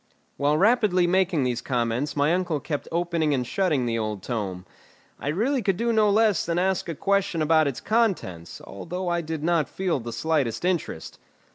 While rapidly making these comments my uncle kept opening and shutting the old tome. I really could do no less than ask a question about its contents, although I did not feel the slightest interest.